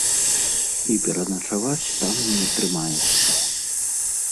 І пераначаваць там не атрымаецца.